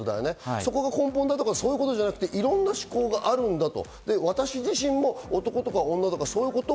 そこが根本だとかそういうわけじゃなくて、いろんな考え方があるんだと。